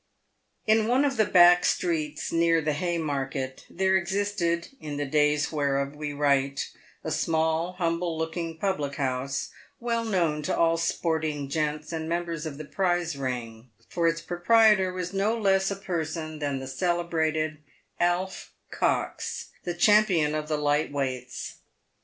In one of the back streets near the Haymarket, there existed, in the days whereof we write, a small, humble looking public house, well known to all sporting gents and members of the prize ring, for its proprietor was no less a person than the celebrated Alf Cox, the champion of the "light weights."